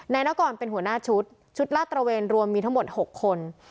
นกรเป็นหัวหน้าชุดชุดลาดตระเวนรวมมีทั้งหมด๖คน